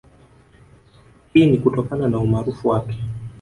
Hii ni kutokana na umaarufu wake